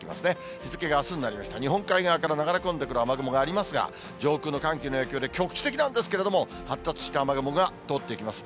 日付があすになりまして、日本海側から流れ込んでくる雨雲がありますが、上空の寒気の影響で局地的なんですけれども、発達した雨雲が通っていきます。